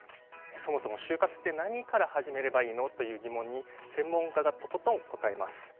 そもそも就活って何から始めればいいの？という疑問に、専門家がとことん答えます。